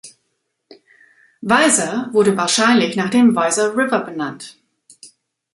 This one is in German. Weiser wurde wahrscheinlich nach dem Weiser River benannt.